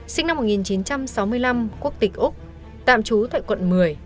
sinh năm một nghìn chín trăm sáu mươi năm quốc tịch úc tạm trú tại quận một mươi